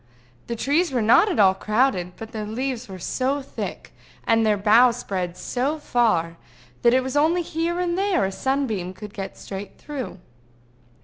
The trees were not at all crowded, but their leaves were so thick, and their boughs spread so far, that it was only here and there a sunbeam could get straight through.